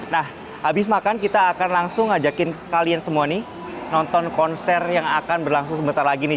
nah habis makan kita akan langsung ajakin kalian semua nih nonton konser yang akan berlangsung sebentar lagi nih